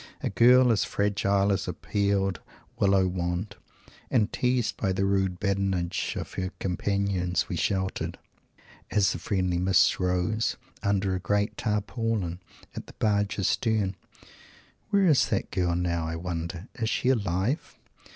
a girl as fragile as a peeled Willow wand and teased by the rude badinage of our companions we sheltered as the friendly mists rose under a great Tarpaulin at the barge's stern. Where is that girl now, I wonder? Is she alive?